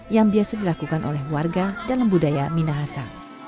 yang biasa dilakukan oleh warga dalam budaya minahasa